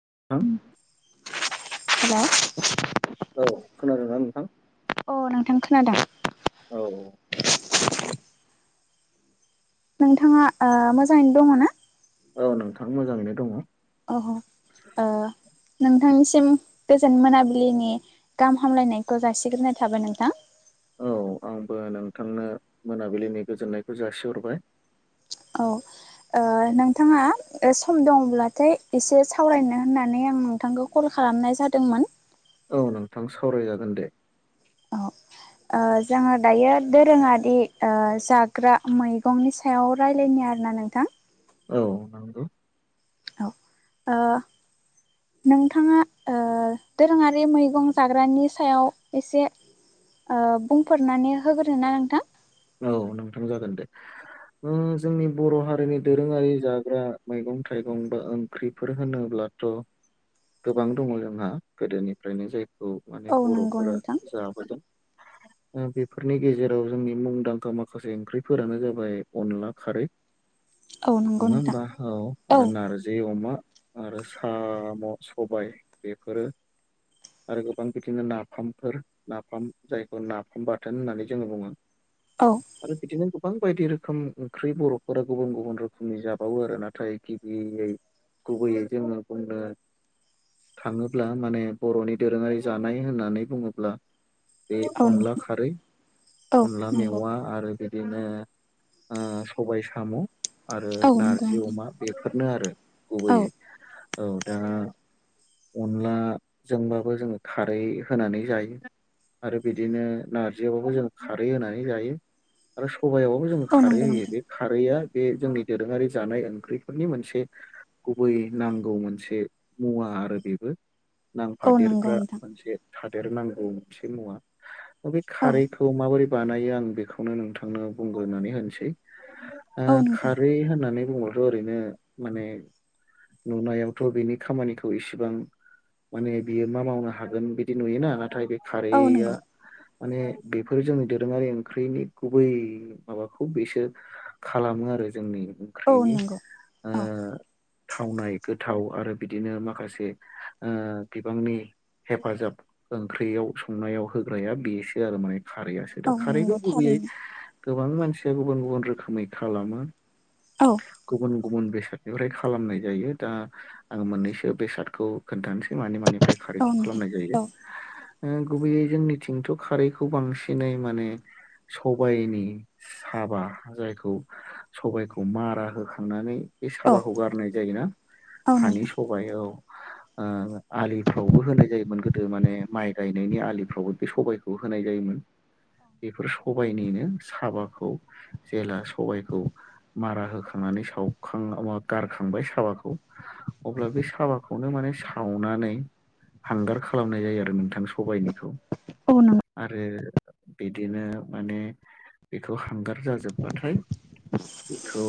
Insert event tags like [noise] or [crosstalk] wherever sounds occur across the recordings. [unintelligible] हेल'। औ खोनादोंना नोंथां? अ नोंथां खोनादों। औ - औ। नोंथांङा ओ मोजाङैनो दङो ना? औ, नोंथां मोजांङैनो दङ। अह--ओ नोंथांनिसिम गोजोन मोनाबिलिनि गाहाम हामलायनायखौ जासिग्रोनाय थाबाय नोंथां। औ, आंबो नोंथांनो मोनाबिलिनि गोजोननायखौ जासिहरबाय। औ। ओ नोंथांङा सम दङब्लाथाय, एसे सावरायनो होननानै आं नोंथांखौ कल खालाम खालामनाय जादोंमोन। औ, नोंथां सावरायजागोन दे। औ। ओ जोङो दायो दोरोंङारि जाग्रा मैगंनि सायाव रायलायनो आरो ना नोंथां। औ, नंगौ। औ ओ नोंथांङा ओ दोरोंङारि मैगं जाग्रानि सायाव एसे ओ बुंफोरनानै होग्रो ना नोंथां। औ, नोंथां जागोन दे। ओ जोंनि बर' हारिनि दोरोंङारि जाग्रा मैगं -थाइगं बा ओंख्रिफोर होनोब्ला [unintelligible] गोबां दंङो जोंहा गोदोनिफ्रायनो जायफोर [unintelligible] माने औ नंगौ बर'फोरा नोंथां जाबोदों बेफोरनि गेजेराव जोंनि मुं मुंदांखा माखासे ओंख्रिफोरानो जाबाय -अनला खारै, औ नंगौ नंङा नोंथां होमबा? ओ औ आरो नारजि अमा। आरो साम' सबाय बेफोरो आरो गोबां बिदिनो नाफामफोर, नाफाम जायखौ नाफाम बाथोन होननानै जोङो बुंङो। औ आरो बिदिनो गोबां गोबां बायदि रोखोम ओंख्रि बर'फोरा गुबुन- गुबुन रोखोमनि जाबावो आरो नाथाय गिबियै गुबैयै जोंङो बुंनो थांङोब्ला माने बर'नि दोरोङारि जानाय होननानै बुंङोब्ला बे औ अनला नोंथां खारै, औ अनला [unintelligible] नंगौ औवा आरो बिदिनो ओ सबाय साम'। आरो औ नंगौ नारजि नोंथां अमा, बेफोरनो आरो औ गुबैयै। औ दा अनलाजोंबाबो जोंङो खारै होनानै जायो। आरो बिदिनो नारजियावबाबो जों खारै होनानै जायो आरो सबायाव जों औ खारै नंगौ होयो। नोंथां बे खारैआ बे जोंनि दोरोंङारि जानाय ओंख्रिफोरनि मोनसे गुबै नांगौ मोनसे मुवा आरो बेबो। औ नंगौ नांफादेरग्रा नोंथां मोनसे थादेरनांगौ मोनसे मुवा। बे औ खारैखौ माबोरै बानायो आं बेखौनो नोंथांनो बुंग्रानै होनोसै। ओ औ नोंथां खारै होननानै बुंब्लाथ' ओरैनो माने नुनायावथ' बेनि खामानिखौ इसिबां माने बियो मा मावनो हागोन बिदि नुयोना नाथाय बे औ खारैया नंगौ माने बेफोर जोंनि दोरोङारि ओंख्रिनि गुबै माबाखौ बेसो खालामो आरो जोंनि औ ओंख्रिनि नंगौ ओ औ थावनाय गोथाव आरो बिदिनो माखासे ओ बिबांनि हेफाजाब ओंख्रियाव संनायाव होग्राया बेसो आरो माने खारै औ नंगौ खारैखौ गुबैयै थारैनो गोबां मानसिया गुबुन गुबुन रोखोमै खालामो औ गुबुन गुबुन बेसादनिफ्राय खालामनाय जायो दा आं मोननैसो बेसादखौ खोन्थानोसै मानि मानिफ्राय औ खारैखौ खालामनाय जायो नोंथां औ गुबैयै जोंनिथिंथ' खारैखौ बांसिनै माने सबाइनि साबा जायखौ सबायखौ मारा होखांनानै बे औ साबाखौ गारनाय जायोना औ हानि नोंथां सबाइयाव ओ आलिफ्रावबो होनाय जायोमोन गोदो माने माइ गायनायनि आलिफ्रावबो बे सबायखौ होनाय जायोमोन बेफोर सबायनिनो साबाखौ जेब्ला सबायखौ मारा होखांनानै सावखां मा गारखांबाय साबाखौ अब्ला बे साबाखौ खौनो माने सावनानै हांगार खालामनाय जायो आरो नोंथां सबायनिखौ औ नंगौ आरो बिदिनो माने बेखौ हांगार जाजोबबाथाय बेखौ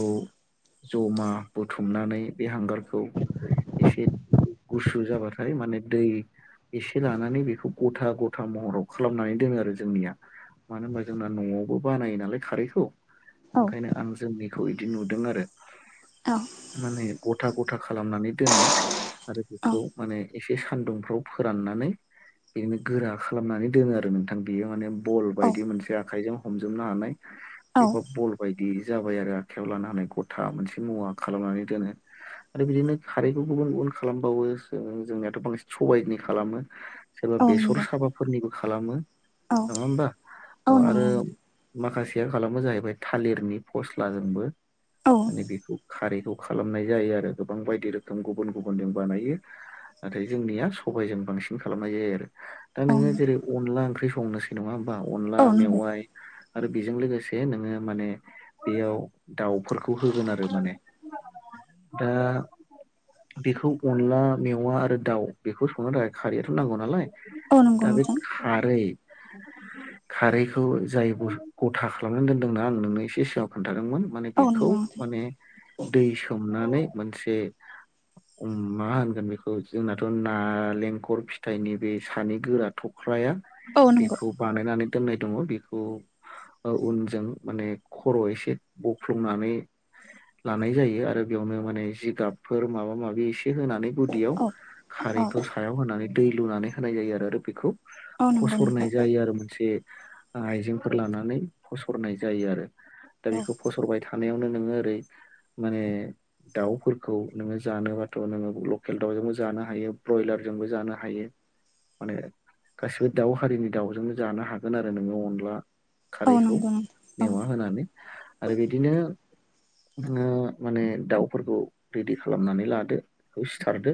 जमा बुथुमनानै बे हांगारखौ एसे गुसु जाबाथाय माने दै एसे लानानै बेखौ गथा गथा महराव खालामनानै दोनो आरो जोंनिया मानो होनबा जोंना न'आवबो बानाय नालाय खारैखौ औ ओंखायनो आं जोंनि थ इदि नुदों आरो औ माने ग था गथा खालामनानै दोनो आरो औ बेखौ माने एसे सानदुंफ्राव फोराननानै बिदिनो गोरा खालामनानै दोनो आरो नोंथां बेयो माने बल औ बायदि मोनसे आखाइजों हमजोबनो हानाय औ एबा बल बायदि जाबाय आरो आखाइयाव लानो हानाय गथा मोनसे मुवा खालामनानै दोनो आरो बिदिनो खारैखौ गुबुन गुबुन खालामबावो जों जोंनियाथ' बांसिन सबायनि खालामो सोरबा औ बेसर नंगौ साबाफोरनिबो खालामो औ नङा होमबा औ नंगौ आरो नोंथां माखासेया खालामो जाहैबाय थालिरनि फस्लाजोंबो माने बेखौ खारै खौ खालामनाय जायो आरो गोबां बायदि रोखोम गुबुन गुबुनजों बानायो नाथाय जोंनिया सबाइजों बांसिन खालामनाय जायो आरो दा औ नोङो जेरै अनला ओंख्रि संनोसै नङा होमबा अनला औ नोंथां औ नंगौ मेवाइ आरो बेजों लोगोसे नोङो माने बेयाव दाउफोरखौ होगोन आरो माने दा बेखौ अनला मेवा आरो दाउ बेखौ संनो थाखाय खारैयाथ' नांगौ नालाय औ नंगौ दा बे नोंथां खारै खारैखौ जाय गथा खालामनानै दोनदोंना आं नोंनो एसे सिगाङाव खोन थादोंमोन माने औ बेखौ नंगौ नोंथां माने दै सोमनानै मोनसे मा होनगोन बेखौ जोंनाथ' नालेंखर फिथाइनि बे सानै गोरा थख्राया औ नंगौ बेखौ बानायनानै दोननाय दङ बेखौ उनजों माने खर' एसे बफ्लंनानै लानाय जायो आरो बेयावनो माने जिगाबफोर माबा माबि एसे होनानै गुदियाव औ औ खारैखौ सायाव होनानै दै लुनानै होनाय जायो आरो आरो बेखौ औ नंगौ नोंथां सरनाय जायो आरो मोनसे आइजेंफोर लानानै होसरनाय जायो आरो दा औ बेखौ फसरबाय थानायावनो नोङो ओरै माने दाउफोरखौ नोङो जानोबाथ' नोङो लकेल दाउजोंबो जानो हायो ब्रयलार जोंबो जानो हायो माने गासिबो दाउ हारिनि दाउजोंनो जानो हागोन आरो नोङो अनला औ खारैखौ नंगौ नोंथां मेवा होनानै आरो बिदिनो नोङो माने दाउफोरखौ रेडि खालामनानै लादो बेखौ सिथारदो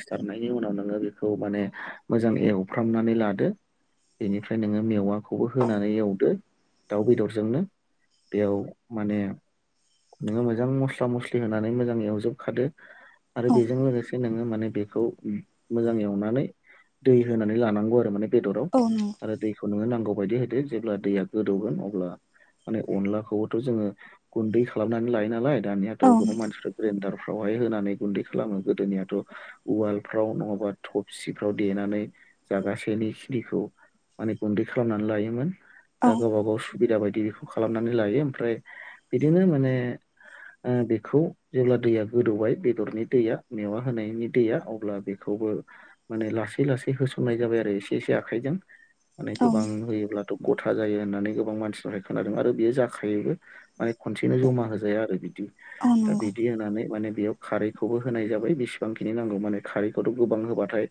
सिथारनायनि उनाव नोङो बेखौ माने मोजां एवफ्रामनानै लादो बेनिफ्राय नोङो मेवाखौबो होनानै एवदो दाउ बेदरजोंनो बेयाव माने नोङो मोजां मस्ला मस्लि होनानै मोजां एवजोबखादो आरो औ बेजों लोगोसे नोङो माने बेखौ मोजां एवनानै दै होनानै लानांगौ आरो माने बेदराव औ नंगौ आरो दैखौ नोङो नांगौ बायदि होदो जेब्ला दैया गोदौगोन अब्ला माने अनलाखौबोथ' जोङो गुन्दै खालामनानै लायो नालाय दानि आथ' औ गोबां नोंथां मानसिफ्रा ग्रेनदार फावहाय होनानै गुन्दै खालामो गोदोनियाथ' उवालफ्राव नङाबा थबसिफ्राव देनानै जागासेनि खिनिखौ माने गुन्दै खालामनानै लायोमोन। औ दा गावबा गाव सुबिदा बायदि बेखौ खालामनानै लायो ओमफ्राय बिदिनो माने ओ बेखौ जेब्ला दैया गोदौबाय बेदरनि दैया मेवा होनायनि दैया अब्ला बेखौ ओ माने लासै लासै होसननाय जाबाय आरो एसे एसे आखाइजों माने औ गोबां होयोब्लाथ' गथा जायो होननानै गोबां मानसिनिफ्राय खोनादों आरो बेयो जाखायोबो माने खनसेनो जमा होजाया आरो बि औ दा नंगौ बिदि होनानै माने बेयाव खारैखौबो होनाय जाबाय बेसेबांखिनि नांगौ माने खारैखौथ' गोबां होबाथाय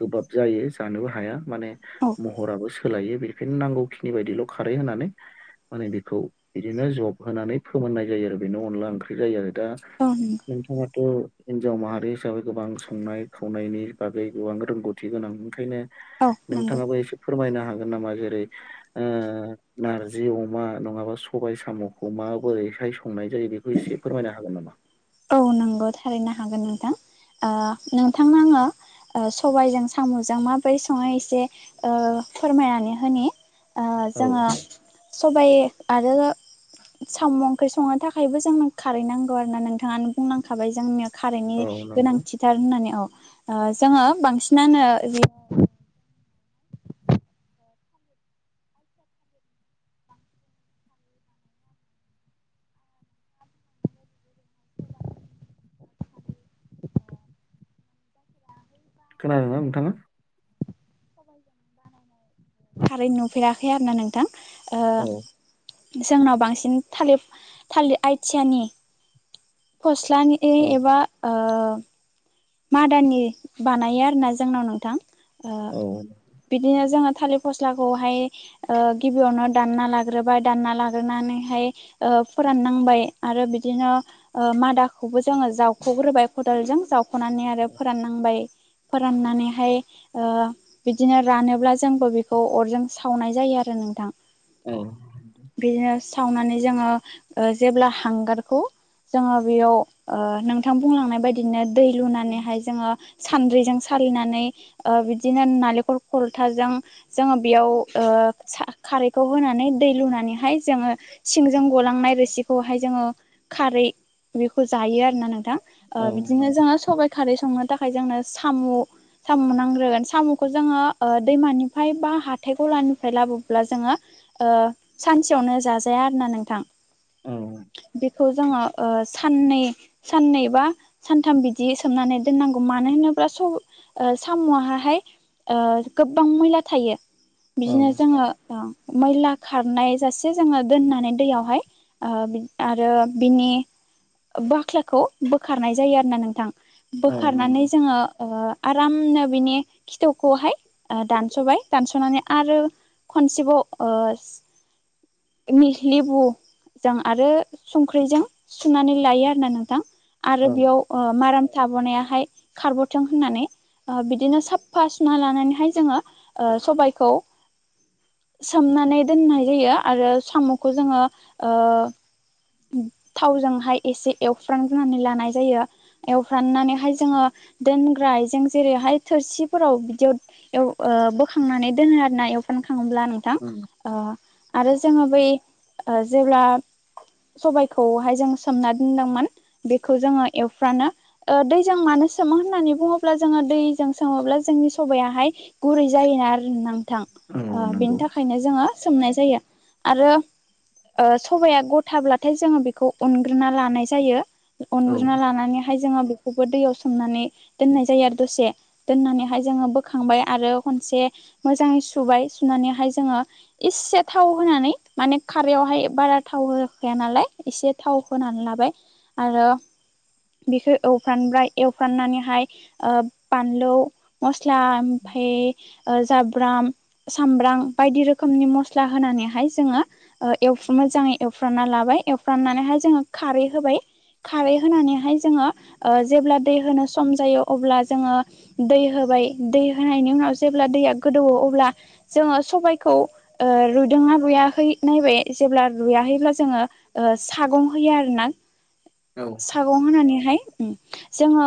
गोबाब जायो जानोबो हाया माने औ महराबो सोलायो बेनिखायनो नांगौखिनि बायदिल' खारै होनानै माने बेखौ बिदिनो जब होनानै फोमोननाय जायो आरो बेनो अनला ओंख्रि जायो आरो दा औ नंगौ नोंथाङाथ' हिनजाव माहारि हिसाबै गोबां संनाय खावनायनि बागै गोबां रोंगौथि गोनां ओंखायनो औ नंगौ नोंथाङाबो एसे फोरमायनो हागोन हागोन नामा जेरै ओ नारजि अमा नङाबा सबाय साम'खौ माबोरैहाय सङो संनाय जायो बेखौ एसे फोरमायनो हागोन नामा औ नंगौ थारैनो हागोन नोंथां ओ नोंथांनो आङो ओ सबायजों साम'जों माबोरै सङो एसे ओ फोरमायनानै होनि ओ औ जोङो सबाइ आरो साम' ओंख्रि संनो थाखायबो जोंनो खारै नांगौ आरोना नोंथां नोंथाङानो बुंलांखाबाय जोंनियाव औ कारेन्टनि नंगौ गोनांथिथार होननानै औ ओ जोङो बांसिनानो खोनादोंना नोंथाङा कारै नुफेराखै आरो ना नोंथां औ ओ जोंनाव बांसिन थालिर थालिर आइथिआनि फस्ट औ [unintelligible] एबा ओ मादानि बानायो आरोना जोंनाव नोंथां ओ औ बिदिनो जोंहा थालिर फस्लाखौहाय ओ गिबियावनो दानना लाग्रोबाय दानना लाग्रोनानैहाय ओ फोराननांबाय आरो बिदिनो ओ मादाखौबो जोङो जावख'ग्रोबाय खदालजों जाव सख'नानै आरो फोराननांबाय फोराननानैहाय ओ बिदिनो रानोब्ला जोंबो बेखौ अरजों सावनाय जायो आरो नोंथां औ बिदिनो सावनानै जोङो जेब्ला हांगारखौ जोङो बेयाव ओ नोंथां बुंलांनाय बायदिनो दै लुनानैहाय जोङो सान्द्रिजों सालिनानै ओ बिदिनो नालेंखल खलथाजों जोङो बेयाव ओ ओ सा खारैखौ होनानै दै लुनानैहाय जोङो सिंजों गलांनाय रोसिखौहाय जोङो खारै बेखौ जायो आरोना नोंथां ओ औ बिदिनो नंगौ सबाय खारै संनो थाखाय जोंनो सामु सामु नांग्रोगोन सामुखौ जोङो दैमानि हफाय बा हाथाइ गलानिफ्राय लाबोब्ला जोङो ओ सानसेयावनो जाजाया आरोना नोंथां औ बेखौ जोङो ओ साननै साननै बा सान सानथाम बिदि सोमनानै दोननांगौ मानो होनोब्ला स ओ साम'आहाहाय ओ गोबां मैला थायो औ बिदिनो जोङो ओ मैला खारनाय जासे जोङो दोननानै दैयावहाय ओ बिद आरो बिनि बाख्लाखौ बोखारनाय जायो आरो ना नोंथां औ बोखारनानै नंगौ जोङो ओ आरामनो बिनि खिथौवखौहाय दानस'बाय दानस'नानै आरो खनसेबाव ओ लिह लेबु जों आरो संख्रिजों सुनानै लायो आरोना नोंथां। आरो औ बेयाव ओ माराम थाबोनायाहाय खारबावथों होननानै। ओ बिदिनो साफ्फा सुना लानानैहाय जोङो ओ सबायखौ सोमनानै दोननाय जायो आरो साम'खौ जोङो ओ। थावजोंहाय एसे एवफ्रांनानै लानाय जायो। एवफ्राननानैहाय जोङो दोनग्रा आइजें जेरैहाय थोरसिफोराव बिदियाव एव ओ बोखांनानै दोनो आरोना एवफ्राम खाङोब्ला नोंथां उम ओ आरो। जोङो बै ओ जेब्ला सबायखौहाय जों सोमना दोनदोंमोन बेखौ जोङो एवफ फ्रानो ओ दैजों मानो सोमो होननानै बुङोब्ला जोङो दैजों सोमोब्ला जोंनि सबायाहाय गुरै जायोना आरो नांथां औ ओ बेनि नंगौ थाखायनो जोङो सोमनाय जायो। आरो ओ सबाया गथाब्लाथाय जोङो बेखौ अनग्रोना लानाय जायो औ अनग्रोना लानानै जोंहा बेखौबो दैयाव सोमनानै दोननाय जायो आरो दसे दोननानैहाय जोङो बोखांबाय आरो। एसे‌ मोजां‌यै सुबाय सुनानैहाय जोंयो एस्से थाव‌‌ होनानै‌ मानि खारैयाव‌हा इ ओमफ्राय बारा थाव होखाया नालाय एसे थाव होनानै लाबाय आरो। बेखौ एवफ्रानबाय एवफ्राननानैहाय ओ‌ बानलौ मस स्ला ओमफाय ओ जाब ब्राम सामब्राम बायदि रोखोमनि मस्ला होनानैहाय जोङो ओ एवफ मोजाङै एवफ एवफ्रानना लाबाय एवफ्राननानैहाय जोङो खारै होबाय खारै होनानैहाय जोङो ओ जेब्ला दै होनो सम जायो अब्ला जोङो दै होबाय दै होनायनि उन ओ जेब्ला दैया गोदौवो अब्ला जोङो सबायखौ ओ रुयदोंना रुयाखै नायबाय जेब्ला रुयाहैब्ला जोङो ओ सागं होयो आरोना। औ सागं होनानैहाय जोङो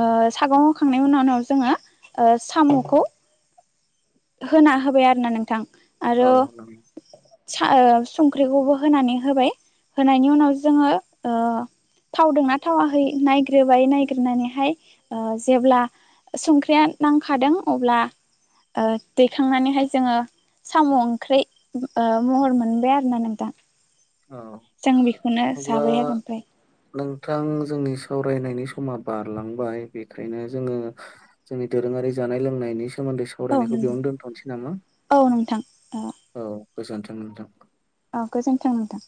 ओ सागं होखांनायनि उनाव उनाव जोङो साम'खौ होना होबाय आरोना नोंथां आरो औ नंगौ सा ओ संख्रिखौबो होनानै होबाय होनायनि उनाव जोङो ओ। थावदोंना थावाखै नायग्रोबाय नायग्रोनानैहाय ओ जेब्ला संख्रिया नांखादों अब्ला ओ दैखांनानैहाय जोङो साम' ओंख्रि ओ महर मोनबाय आरोना नोंथां। औ जों बेखौनो अब्ला जाबाय आरो ओमफ्राय नोंथां जोंनि सावरायनायनि सम समा बारलांबाय बेखायनो जोङो जोंनि दोरोङारि जानाय लोंनायनि सोमोनदै औ सावरायनायखौ नंगौ बेयावनो दोन्थ'नोसै नामा? औ नोंथां औ गोजोनथों नोंथां। औ गोजोनथों नोंथां।